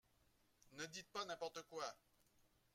Ne dites pas n’importe quoi